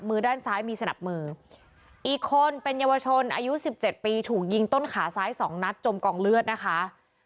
มือด้านซ้ายมีสนับมืออีกคนเป็นเยาวชนอายุสิบเจ็ดปีถูกยิงต้นขาซ้ายสองนัดจมกองเลือดนะคะ